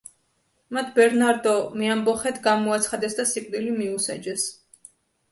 მათ ბერნარდო მეამბოხედ გამოაცხადეს და სიკვდილი მიუსაჯეს.